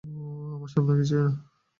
আমার স্বপ্ন, কিছুই না।